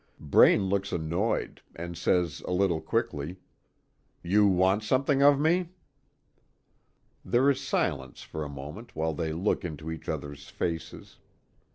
Braine looks annoyed, and says a little quickly: "You want something of me?" There is silence for a moment while they look into each other's faces.